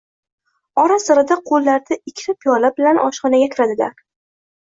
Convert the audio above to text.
Ora-sirada qo’llarida ikkita piyola bilan oshxonaga kiradilar.